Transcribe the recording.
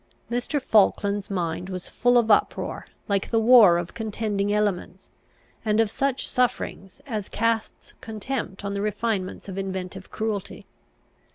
Mr. Falkland's mind was full of uproar like the war of contending elements, and of such suffering as casts contempt on the refinements of inventive cruelty.